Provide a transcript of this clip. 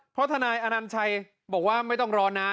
เพราะทนายอนัญชัยบอกว่าไม่ต้องรอนาน